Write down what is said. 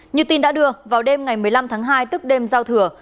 như tin đã đưa vào đêm ngày một mươi năm tháng hai tức đêm giao thừa